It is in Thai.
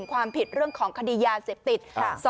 ความผิดเรื่องของคดียาเสพติด